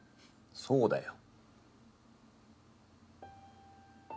そうだよ。